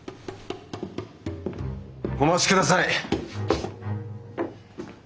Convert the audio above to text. お待ちください！